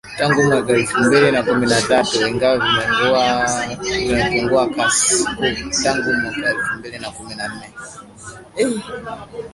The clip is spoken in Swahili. tangu mwaka elfu mbili na kumi na tatu ingawa vimepungua kasi tangu mwaka elfu mbili na kumi na nane